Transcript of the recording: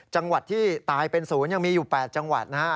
จังหวัดที่ตายเป็นศูนย์ยังมีอยู่๘จังหวัดนะฮะ